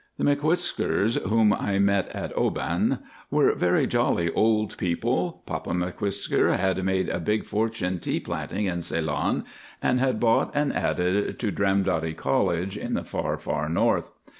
The M'Whiskers, whom I met at Oban, were very jolly old people. Papa M'Whisker had made a big fortune teaplanting in Ceylon, and had bought, and added to Dramdotty Castle in the far, far north.